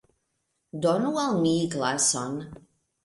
Donu al mi glason.